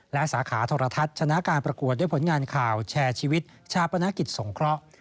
และสาขาโทรทัศน์ชนะการประกวดด้วยผลงานข่าวแชร์ชีวิตชาปนกิจสงเคราะห์